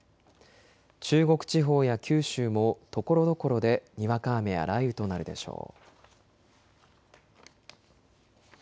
中国地方や九州もところどころでにわか雨や雷雨となるでしょう。